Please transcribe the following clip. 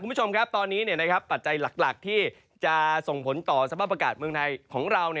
คุณผู้ชมครับตอนนี้ปัจจัยหลักที่จะส่งผลต่อสภาพอากาศเมืองไทยของเรา